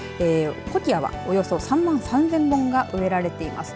コキアは、およそ３万３０００本が植えられています。